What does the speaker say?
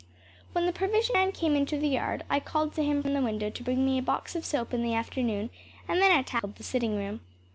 When the provision man came into the yard I called to him from the window to bring me a box of soap in the afternoon, and then I tackled the sitting room.